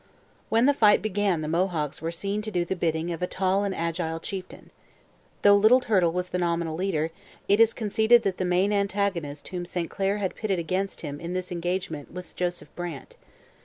When the fight began the Mohawks were seen to do the bidding of a tall and agile chieftain. Though Little Turtle was the nominal leader, it is conceded that the main antagonist whom St Clair had pitted against him in this engagement was Joseph Brant.